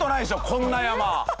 こんな山。